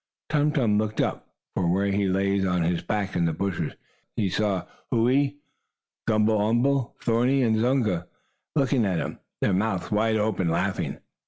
Tum Tum looked up from where he lay on his back in the bushes. He saw Whoo ee, Gumble umble, Thorny and Zunga looking at him, their mouths wide open, laughing.